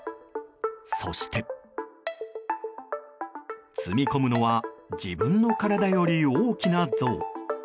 そして、積み込むのは自分の体より大きな像。